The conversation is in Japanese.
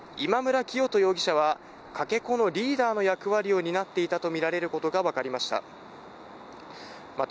今村磨人容疑者はかけ子のリーダーの役割を担っていたとみられることが分かりました。